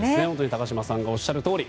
高島さんがおっしゃるとおり